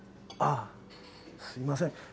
ああすいません。